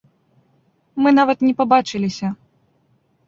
Мы нават не пабачыліся.